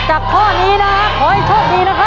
จากข้อนี้นะขอให้โชคดีนะครับ